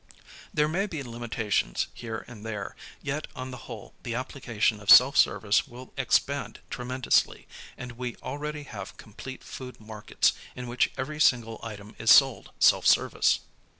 There may be limitations here and there, yet on the whole the application of self service will expand tremendously, and we already have complete food markets in which every single item is sold self service.